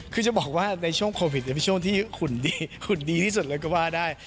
คือจะบอกว่าในช่วงโควิดเป็นช่วงที่ขุนดีขุนดีที่สุดเลยก็ว่าได้